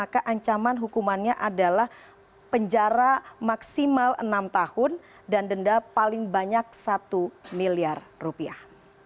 keancaman hukumannya adalah penjara maksimal enam tahun dan denda paling banyak satu miliar rupiah